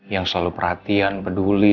yang selalu perhatian peduli